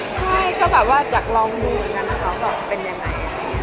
ใช่ก็แบบว่าอยากลองดูเหมือนกันนะคะว่าเป็นยังไง